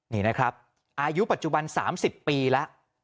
นี่นะครับอายุปัจจุบัน๓๐ปีแล้ว